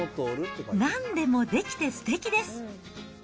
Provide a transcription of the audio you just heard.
なんでもできてすてきです。